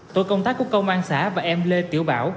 tổ công tác của công an xã và em lê tiểu bảo